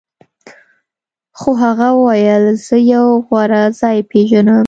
خو هغه وویل زه یو غوره ځای پیژنم